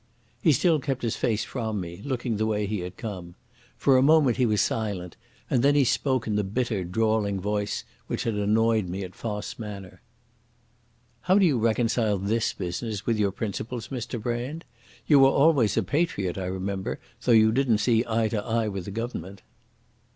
He still kept his face from me, looking the way he had come. For a moment he was silent, and then he spoke in the bitter, drawling voice which had annoyed me at Fosse Manor. "How do you reconcile this business with your principles, Mr Brand? You were always a patriot, I remember, though you didn't see eye to eye with the Government."